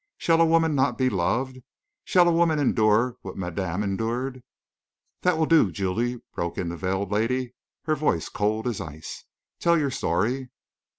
Shall a woman not be loved? Shall a woman endure what madame endured...." "That will do, Julie," broke in the veiled lady, her voice cold as ice. "Tell your story."